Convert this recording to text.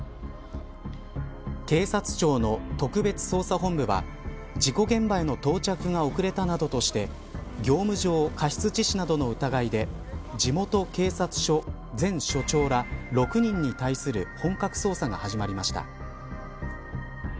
警察庁の特別捜査本部は事故現場への到着が遅れたなどとして業務上過失致死などの疑いで地元警察署、前所長ら６人に対する本格捜査が始まりました。